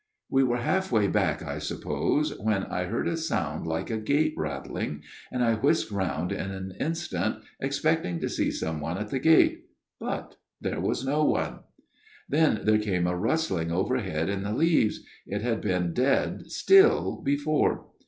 " We were half way back I suppose when I FATHER MACCLESFIELD'S TALE *. heard a sound like a gate rattling ; and I whisked round in an instant, expecting to see some one at the gate. But there was no one. " Then there came a rustling overhead in the leaves ; it had been dead still before.